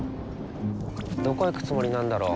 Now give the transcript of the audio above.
どこ行くつもりなんだろ。